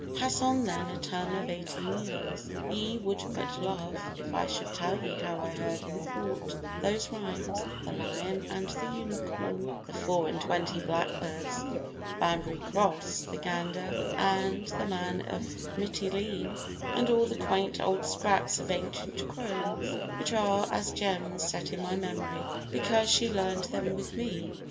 Pass on then A term of eighteen years. Ye would but laugh If I should tell ye how I heard in thought Those rhymes, 'The Lion and the Unicorn' 'The Four and twenty Blackbirds' 'Banbury Cross,' 'The Gander' and 'The man of Mitylene,' And all the quaint old scraps of ancient crones, Which are as gems set in my memory, Because she learn'd them with me.